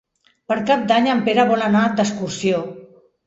Per Cap d'Any en Pere vol anar d'excursió.